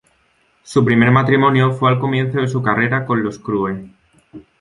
Su primer matrimonio fue al comienzo de su carrera con los Crüe.